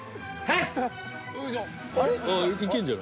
はい！